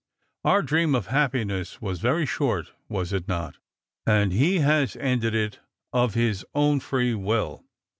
Our dream of happiness was very short, was it not? and he has ended it of his own free will.